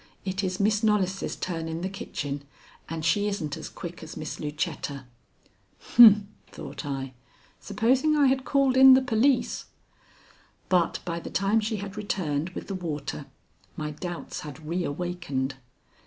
It is Miss Knollys' turn in the kitchen, and she isn't as quick as Miss Lucetta." "Humph," thought I, "supposing I had called in the police." But by the time she had returned with the water, my doubts had reawakened.